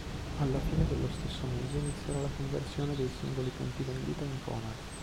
Alla fine dello stesso mese inizierà la conversione dei singoli punti vendita in Conad.